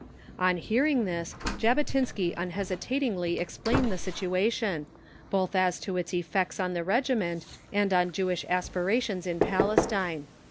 On hearing this, Jabotinsky unhesitatingly explained the situation, both as to its effects on the Regiment and on Jewish aspirations in Palestine.